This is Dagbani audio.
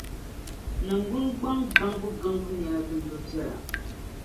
Ningbungbaŋ gaŋbu gaŋbu nyɛla din bi viɛla.